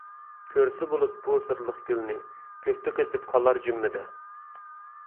كۆرسە بۇلۇت بۇ سىرلىق گۈلنى، كۆكتە قېتىپ قالار جىممىدە.